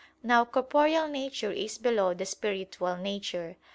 Now corporeal nature is below the spiritual nature.